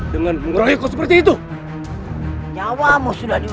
kenapa kau menyelamatkannya